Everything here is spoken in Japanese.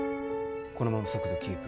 このまま速度キープ。